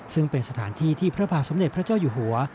ซึ่งเป็นสถานที่ที่พระบาทสมเด็จพระเจ้าอยู่หัว